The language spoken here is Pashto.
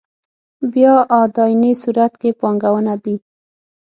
بیا اداينې صورت کې پانګونه دي.